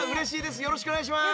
よろしくお願いします。